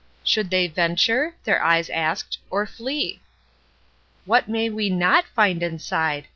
Should they venture? their eyes asked, or flee? "What may we not find inside